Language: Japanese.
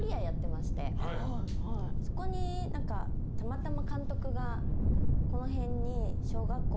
そこにたまたま監督がこの辺に。